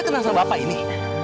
kenal sama bapak ini